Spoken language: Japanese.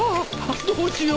どうしよう！